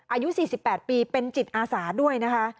อายุ๔๘ปีเป็นจิตอาสาด้วยนะคะ